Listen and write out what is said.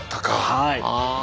はい。